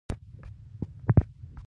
استازو خنډونه اچول.